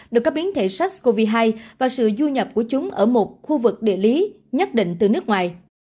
được các biến thể sars cov hai và sự du nhập của chúng ở một khu vực địa lý nhất định từ nước ngoài